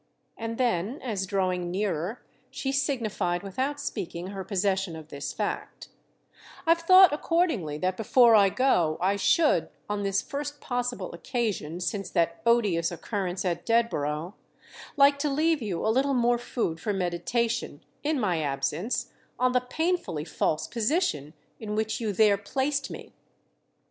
And then as drawing nearer, she signified without speaking her possession of this fact: "I've thought accordingly that before I go I should—on this first possible occasion since that odious occurrence at Dedborough—like to leave you a little more food for meditation, in my absence, on the painfully false position in which you there placed me."